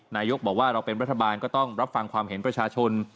นายกบอกว่าเราเป็นรัฐบาลก็ต้องรับฟังความเห็นประชาชน